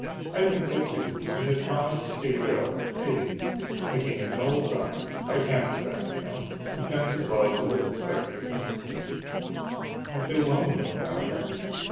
I think so, too, and have promised to give it up, maybe. The King is an old duck not a canvasback, you kno\v. He sends his love to the " star gazer." I feel lonely without her.